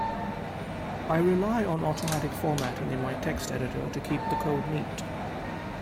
I rely on automatic formatting in my text editor to keep the code neat.